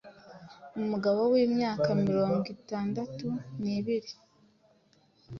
umugabo w’imyaka mirongo itandatu nibiri